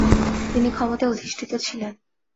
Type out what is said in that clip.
তিনি ক্ষমতায় অধিষ্ঠিত ছিলেন।